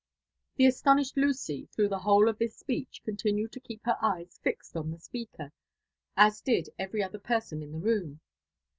" The astoaisked Lucy through the whole of this speedh eentinuad to keep her eyes lixed on the speaker, as did also every oAar person in the room.